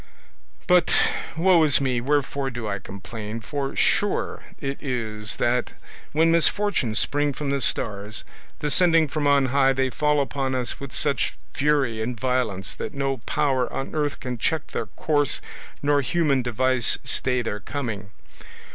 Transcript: But, woe is me, wherefore do I complain? for sure it is that when misfortunes spring from the stars, descending from on high they fall upon us with such fury and violence that no power on earth can check their course nor human device stay their coming.